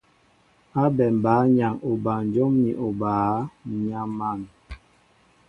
Ábɛm bǎyaŋ obanjóm ni obǎ, ǹ yam̀an.